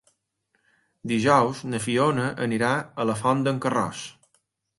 Dijous na Fiona irà a la Font d'en Carròs.